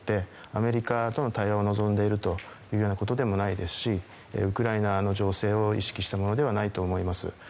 アメリカとの対話を望んでいるというようなことでもないですしウクライナの情勢を意識したものではないと思います。